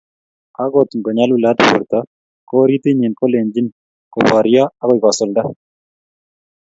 akot ngo nyalulat borto, ko orititnyin kolenychini koboryo akoi koosulda